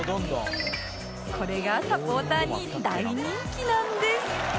これがサポーターに大人気なんです